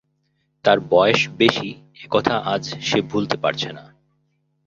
তার বয়স বেশি এ কথা আজ সে ভুলতে পারছে না।